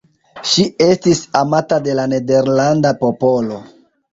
Ŝi estis amata de la nederlanda popolo.